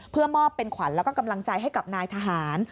เพื่อมอบเป็นขวัญแล้วก็กำลังใจให้กับนายทหาร